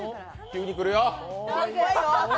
急に来るよ！